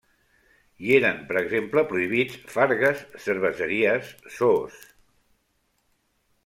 Hi eren per exemple prohibits: fargues, cerveseries, zoos.